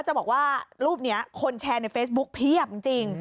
จะบอกว่ารูปนี้คนแชร์ในเฟซบุ๊กเพียบจริง